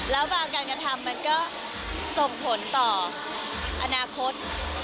แล้วบางการกระทำมันก็ส่งผลต่ออนาคต